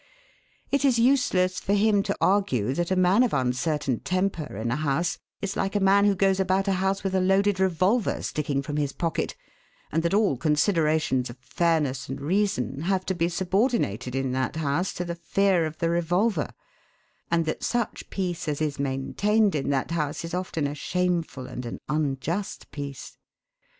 It is useless for him to argue that a man of uncertain temper in a house is like a man who goes about a house with a loaded revolver sticking from his pocket, and that all considerations of fairness and reason have to be subordinated in that house to the fear of the revolver, and that such peace as is maintained in that house is often a shameful and an unjust peace.